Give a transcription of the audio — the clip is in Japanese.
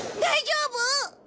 大丈夫？